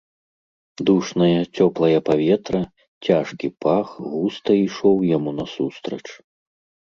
Душнае, цёплае паветра, цяжкі пах густа ішоў яму насустрач.